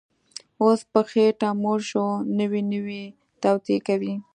اوس په خېټه موړ شو، نوې نوې توطیې کوي